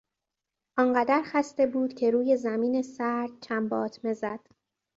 آنقدر خسته بود که روی زمین سرد چمباتمه زد.